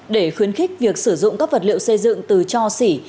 để khuyến khích việc sử dụng các vật liệu xây dựng từ cho xỉ